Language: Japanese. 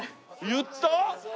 言った？